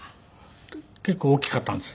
結構大きかったんです。